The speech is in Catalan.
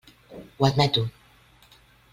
Ho admeto.